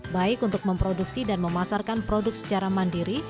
baik untuk memproduksi dan memasarkan produk secara mandiri